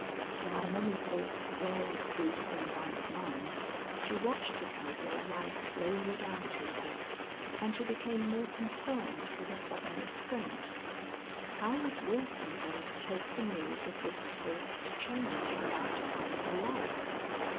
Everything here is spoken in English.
While many thoughts whirled through Columbine's mind she watched the cowboy ride slowly down to her, and she became more concerned with a sudden restraint. How was Wilson going to take the news of this forced change about to come in her life?